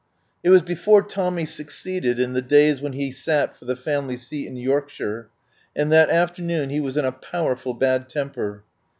It was before Tommy succeeded, in the days when he sat for the family seat in Yorkshire, and that aft ernoon he was in a powerful bad temper.